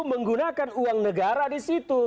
menggunakan uang negara di situ